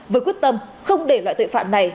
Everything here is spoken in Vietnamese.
với quyết tâm không để loại tội phạm này